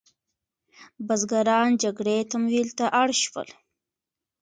بزګران جګړې تمویل ته اړ شول.